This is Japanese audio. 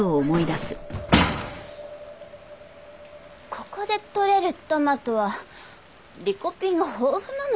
ここでとれるトマトはリコピンが豊富なのよね。